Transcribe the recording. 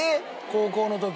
高校の時。